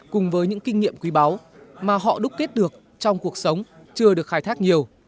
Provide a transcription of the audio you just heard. cùng với những kinh nghiệm quý báu mà họ đúc kết được trong cuộc sống chưa được khai thác nhiều